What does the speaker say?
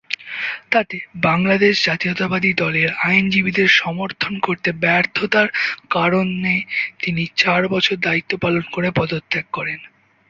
তাতে বাংলাদেশ জাতীয়তাবাদী দলের আইনজীবীদের সমর্থন করতে ব্যর্থতার কারণে তিনি চার বছর দায়িত্ব পালন করে পদত্যাগ করেন।